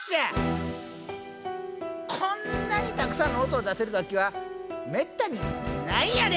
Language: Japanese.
こんなにたくさんの音を出せる楽器はめったにないんやで！